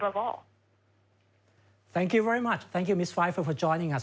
ขอบคุณที่ได้เวลาและขอบคุณที่จัดการ